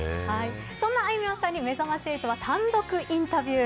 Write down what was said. そのあいみょんさんにめざまし８は単独インタビュー